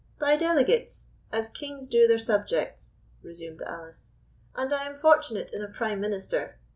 "By delegates, as kings do their subjects," resumed Alice; "and I am fortunate in a prime minister.